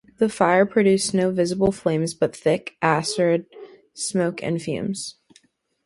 The fire produced no visible flames but thick, acrid smoke and fumes.